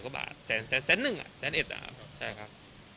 มาแสน๒๐๐๑อ่ะแสนเอ็ดอ่ะใช่ครับ